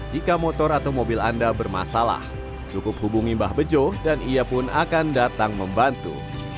jika motor atau mobil anda bermasalah cukup hubungi mbah bejo dan ia pun akan datang membantu